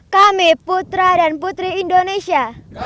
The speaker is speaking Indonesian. kami putra dan putri indonesia